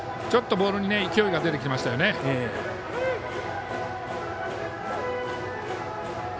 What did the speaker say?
ボールに勢いが出てきましたよね。